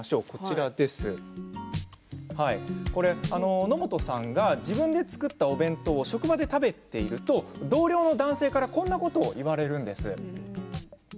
まずは、野本さんが自分で作ったお弁当を職場で食べていると同僚の男性からこんなことを言われるんですね。